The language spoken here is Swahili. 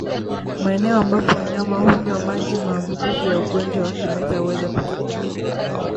Maeneo ambapo wanyama hunywa maji maambukizi ya ugonjwa wa kimeta huweza kutokea